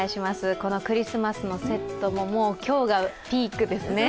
このクリスマスのセットも今日がピークですね。